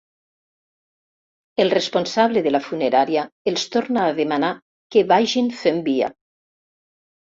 El responsable de la funerària els torna a demanar que vagin fent via.